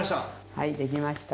はいできました。